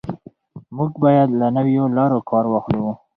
موږ باید له نویو لارو کار واخلو.